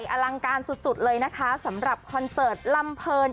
พาห่างการสุดสุดเลยนะคะสำหรับคอนเซิร์ตลำเผิิน